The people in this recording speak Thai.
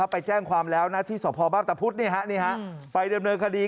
ไปแจ้งความแล้วนะที่สพบ้านตะพุทธไปดำเนินคดี